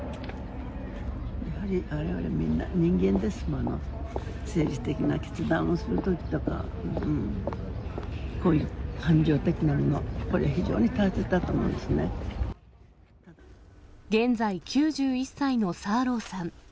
やはり、われわれみんな人間ですもの、政治的な決断をするときとか、こういう感情的なもの、これは非現在９１歳のサーローさん。